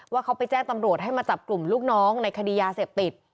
ว่าเขาไปแจ้งตำรวจให้มาจับกลุ่มลูกน้องในคดียาเสพติด